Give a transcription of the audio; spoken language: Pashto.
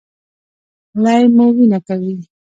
لۍ مو وینه کوي؟